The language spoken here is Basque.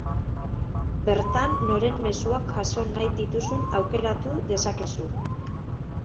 Bertan, noren mezuak jaso nahi dituzun aukeratu dezakezu.